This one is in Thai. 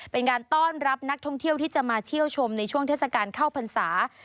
เป็นการต้อนรับนักท่องเที่ยวที่จะมาเที่ยวชมในช่วงเทศกาลเข้าพรรษา